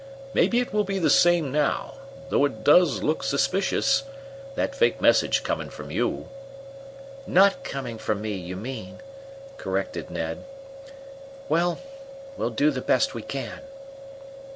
Maybe it will be the same now, though it does look suspicious, that fake message coming from you." "Not coming from me, you mean," corrected Ned. "Well, we'll do the best we can."